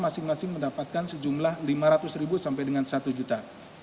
masing masing mendapatkan sejumlah lima ratus ribu sampai dengan satu juta